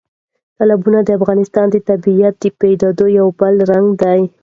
تالابونه د افغانستان د طبیعي پدیدو یو بل رنګ دی.